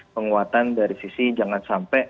penguatan dari sisi jangan sampai